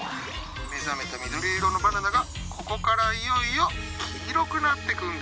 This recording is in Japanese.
目覚めた緑色のバナナがここからいよいよ黄色くなってくんだよ。